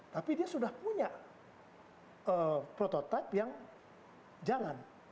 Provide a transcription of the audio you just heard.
tapi dia sudah punya prototipe yang jalan